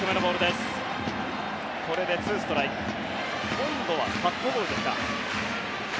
今度はカットボールですか。